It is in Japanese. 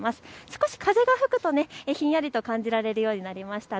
少し風が吹くとひんやりと感じられるようになりました。